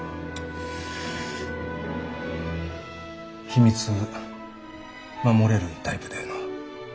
秘密守れるタイプだよな？